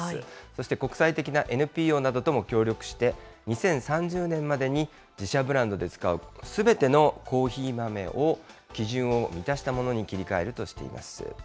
そして国際的なＮＰＯなどとも協力して、２０３０年までに、自社ブランドで使うすべてのコーヒー豆を基準を満たしたものに切り替えるとしています。